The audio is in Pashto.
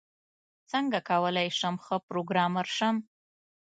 څنګه کولاي شم ښه پروګرامر شم؟